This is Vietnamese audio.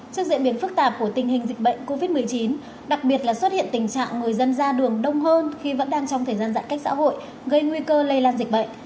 trước diễn biến phức tạp của tình hình dịch bệnh covid một mươi chín đặc biệt là xuất hiện tình trạng người dân ra đường đông hơn khi vẫn đang trong thời gian giãn cách xã hội gây nguy cơ lây lan dịch bệnh